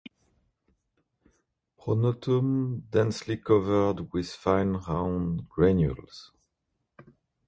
Pronotum densely covered with fine round granules.